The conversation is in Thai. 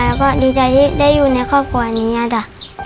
แล้วก็ดีใจที่ได้อยู่ในครอบครัวนี้จ้ะ